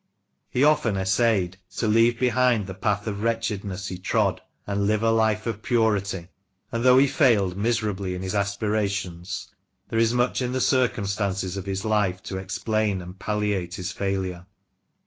He often essayed " to leave behind the path of wretchedness he trod, and live a life of purity," and though he failed miserably in his aspirations, there is much in the circumstances of his life to explain and palliate his failure.